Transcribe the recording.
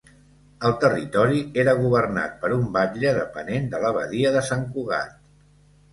El territori era governat per un batlle depenent de l’Abadia de Sant Cugat.